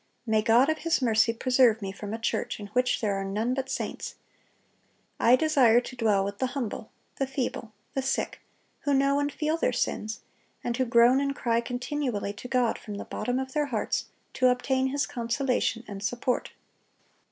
May God of His mercy preserve me from a church in which there are none but saints. I desire to dwell with the humble, the feeble, the sick, who know and feel their sins, and who groan and cry continually to God from the bottom of their hearts to obtain His consolation and support."